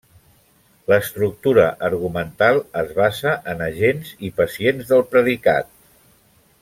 L'estructura argumental es basa en agents i pacients del predicat.